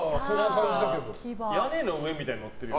屋根の上みたいなのに乗ってるよ。